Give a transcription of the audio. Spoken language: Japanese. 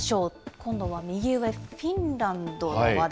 今度は右上、フィンランドの話題。